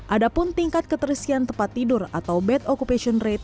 adapun tingkat ketersian tempat tidur atau bed occupation rate